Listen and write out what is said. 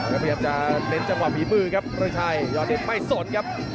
พเตมจะเน้นจังหวะหมีมือครับในนี้ไม่สนครับ